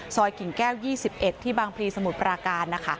ซอยกิ่งแก้ว๒๑ที่บางพลีสมุทรปราการ